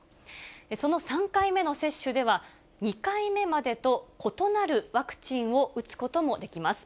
その３回目の接種では、２回目までと異なるワクチンを打つこともできます。